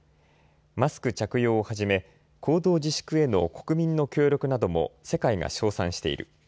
マスク着用をはじめ行動自粛への国民の協力なども世界が称賛している。